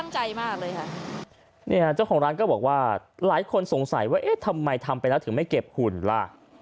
เจ้าของร้านก็บอกว่าหลายคนสงสัยว่าเอ๊ะทำไมทำไปแล้วถึงไม่เก็บหุ่นล่ะ